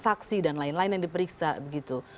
paksa dan lain lain yang diperiksa gitu